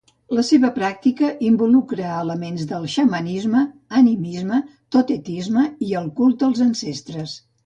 La seva pràctica involucra elements de xamanisme, animisme, totemisme i el culte als ancestres.